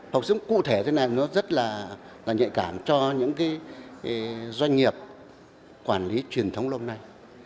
học giống cụ thể thế này nó rất là nhạy cảm cho những cái doanh nghiệp quản lý truyền thống lâu nay